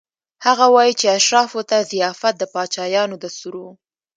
هغه وايي چې اشرافو ته ضیافت د پاچایانو دستور و.